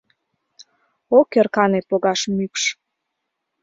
Ок ӧркане погаш мӱкш.